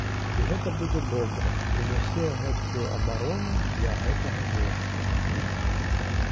І гэта будзе добра, прынясе гэткую абарону для гэтага месца.